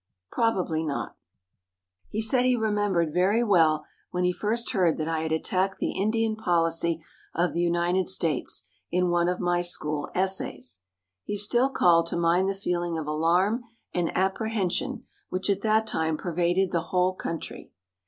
Probably not. He said he remembered very well when he first heard that I had attacked the Indian policy of the United States in one of my school essays. He still called to mind the feeling of alarm and apprehension which at that time pervaded the whole country.